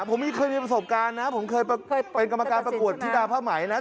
ผมไม่เคยมีประสบการณ์นะผมเคยเป็นกรรมการประกวดธิดาผ้าไหมนะ